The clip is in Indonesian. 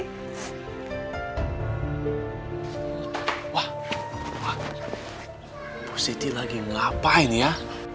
wah wah posisi lagi ngapain ya